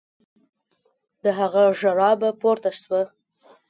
د هغه ژړا به پورته سوه.